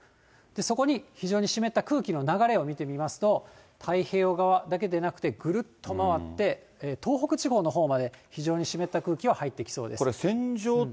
そこに非常に湿った空気の流れを見てみますと、太平洋側だけでなくて、ぐるっと回って、東北地方のほうまで、非常に湿った空気は入ってきそうです。